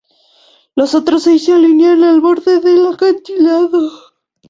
Los otros seis se alinean al borde del acantilado.